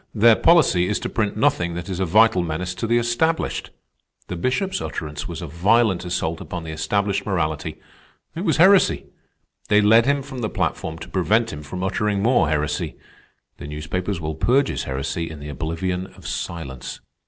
Their policy is to print nothing that is a vital menace to the established. The Bishop's utterance was a violent assault upon the established morality. It was heresy. They led him from the platform to prevent him from uttering more heresy. The newspapers will purge his heresy in the oblivion of silence.